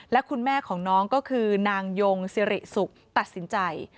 และคุณแม่ของน้องก็คือนางยงสิริสุขตัดสินใจ